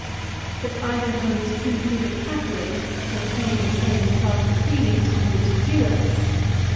But Ivanhoe was too good a Catholic to retain the same class of feelings towards a Jewess.